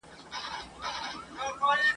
د آس لغته آس زغمي ..